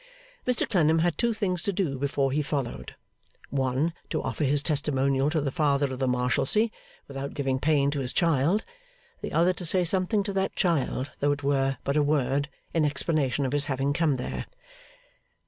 Mr Clennam had two things to do before he followed; one, to offer his testimonial to the Father of the Marshalsea, without giving pain to his child; the other to say something to that child, though it were but a word, in explanation of his having come there.